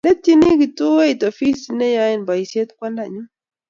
lekitjini kituoit ofisit ne yoen boisiet kwanda nyu